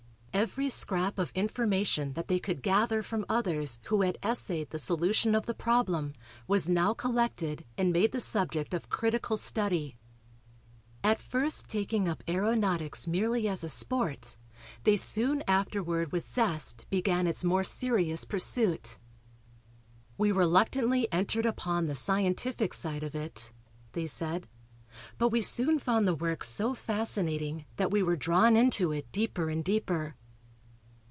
Every scrap of information that they could gather from others who had essayed the solution of the problem was now collected and made the subject of critical study. At first taking up aeronautics merely as a sport, they soon afterward with zest began its more serious pursuit. "We reluctantly entered upon the scientific side of it." they said, "but we soon found the work so fascinating that we were drawn into it deeper and deeper."